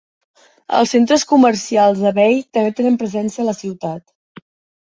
Els centres comercials Abbey també tenen presència a la ciutat.